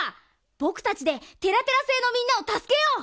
ぼくたちでテラテラせいのみんなをたすけよう！